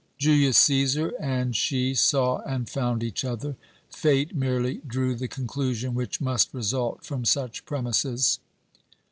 "Julius Cæsar and she saw and found each other. Fate merely drew the conclusion which must result from such premises.